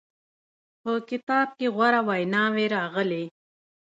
په کتاب کې غوره ویناوې راغلې.